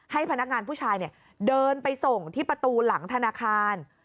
พนักงานผู้ชายเดินไปส่งที่ประตูหลังธนาคาร